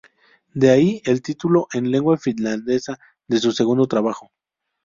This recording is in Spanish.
De ahí, el título en lengua finlandesa de su segundo trabajo.